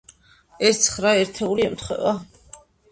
ეს ცხრა ერთეული ემთხვევა.